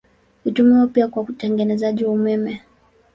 Hutumiwa pia kwa utengenezaji wa umeme.